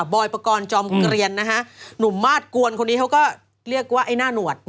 อยปกรณ์จอมเกลียนหนุ่มมาสกวนคนนี้เขาก็เรียกว่าไอ้หน้าหนวด